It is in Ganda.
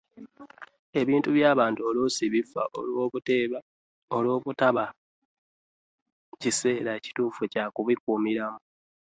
ebintu by'abantu oluusi bifa olwobutateeba kiseera kituufu kyakukuumiramu.